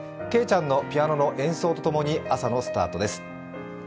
けいちゃんのピアノの演奏と共に朝のスタートです。